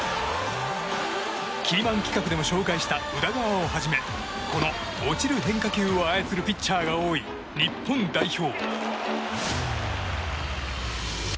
キーマン企画でも紹介した宇田川をはじめこの落ちる変化球を操るピッチャーが多い日本代表。